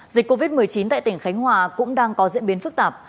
dịch covid một mươi chín tại tỉnh khánh hòa cũng đang có diễn biến phức tạp